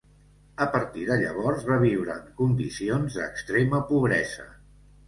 A partir de llavors va viure en condicions d'extrema pobresa.